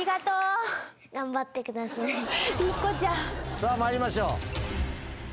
さぁまいりましょう。